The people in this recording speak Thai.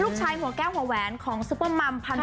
ลูกชายหัวแก้วหัวแวนของซุปเกิ้ลมัมพันธุ์